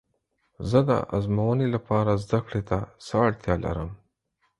زه د ازموینې لپاره زده کړې ته څه اړتیا لرم؟